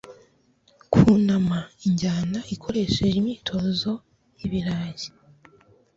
Kwunama injyana ukoresheje imyitozo yibirayi